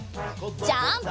ジャンプ！